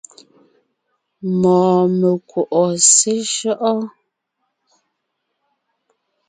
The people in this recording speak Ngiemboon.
Mɔɔn mekwɔ̀’ɔ seshÿɔ́’ɔ?